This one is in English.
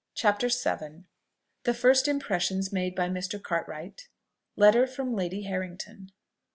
CHAPTER VII. THE FIRST IMPRESSIONS MADE BY MR. CARTWRIGHT. LETTER FROM LADY HARRINGTON.